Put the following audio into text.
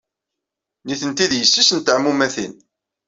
Nitenti d yessi-s n teɛmumatin.